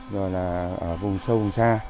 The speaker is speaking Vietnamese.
rồi là ở vùng sâu vùng xa